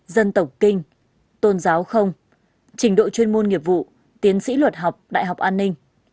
dân tộc kinh tôn giáo không trình độ chuyên môn nghiệp vụ tiến sĩ luật học đại học an ninh